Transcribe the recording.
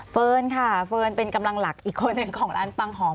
เฟิร์นค่ะเฟิร์นเป็นกำลังหลักอีกคนหนึ่งของร้านปังหอม